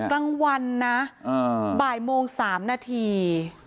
กลางวันนะบ่ายโมง๓นาที